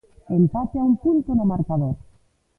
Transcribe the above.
Empate a un punto no marcador.